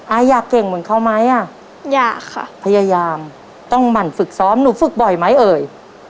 อยากเก่งเหมือนเขาไหมอ่ะอยากค่ะพยายามต้องหมั่นฝึกซ้อมหนูฝึกบ่อยไหมเอ่ย